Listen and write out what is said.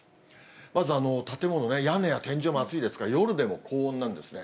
まず建物ね、屋根や天井もあついですから、夜でも高温なんですね。